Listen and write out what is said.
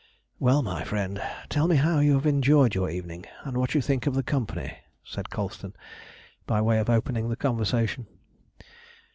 "Well, my friend, tell me how you have enjoyed your evening, and what you think of the company," said Colston, by way of opening the conversation.